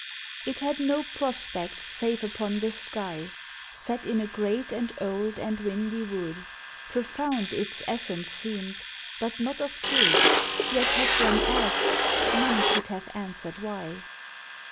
It had no prospect save upon the sky Set in a great and old and windy wood. Profound its essence seemed, but not of good; Yet had one asked, none could have answered why.